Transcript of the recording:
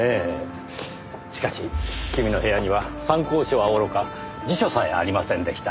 しかし君の部屋には参考書はおろか辞書さえありませんでした。